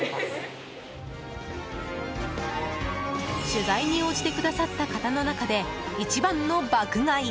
取材に応じてくださった方の中で、一番の爆買い。